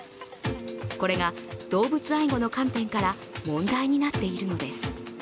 これが動物愛護の観点から問題になっているのです。